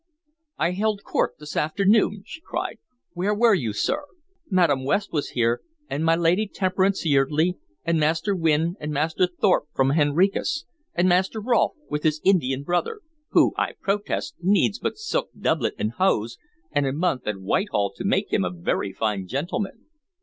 "I held court this afternoon!" she cried. "Where were you, sir? Madam West was here, and my Lady Temperance Yeardley, and Master Wynne, and Master Thorpe from Henricus, and Master Rolfe with his Indian brother, who, I protest, needs but silk doublet and hose and a month at Whitehall to make him a very fine gentleman."